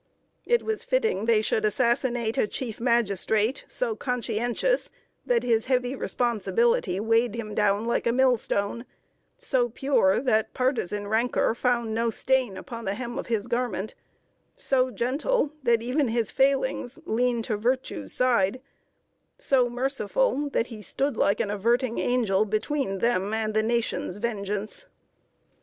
It was fitting they should assassinate a Chief Magistrate, so conscientious, that his heavy responsibility weighed him down like a millstone; so pure, that partisan rancor found no stain upon the hem of his garment; so gentle, that e'en his failings leaned to virtue's side; so merciful, that he stood like an averting angel between them and the Nation's vengeance.